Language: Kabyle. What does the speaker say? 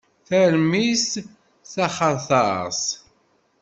Tarmit d taxatart.